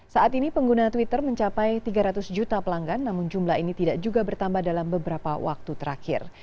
saat ini pengguna twitter mencapai tiga ratus juta pelanggan namun jumlah ini tidak juga bertambah dalam beberapa waktu terakhir